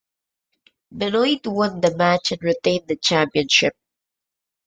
Benoit won the match and retained the championship.